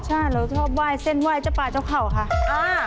ใช่เราชอบไหว้เส้นไหว้เจ้าป่าเจ้าเขาค่ะ